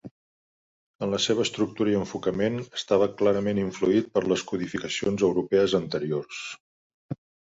En la seva estructura i enfocament estava clarament influït per les codificacions europees anteriors.